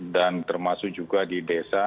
dan termasuk juga di desa